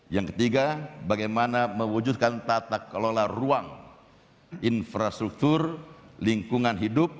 yang ketiga bagaimana mewujudkan tata kelola ruang infrastruktur lingkungan hidup